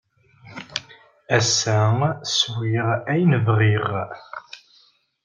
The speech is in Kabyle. Ass-a swiɣ ayen bɣiɣ.